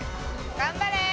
頑張れー！